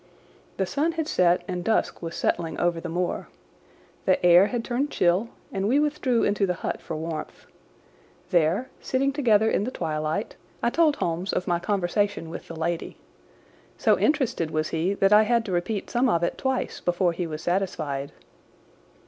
The sun had set and dusk was settling over the moor. The air had turned chill and we withdrew into the hut for warmth. There, sitting together in the twilight, I told Holmes of my conversation with the lady. So interested was he that I had to repeat some of it twice before he was satisfied.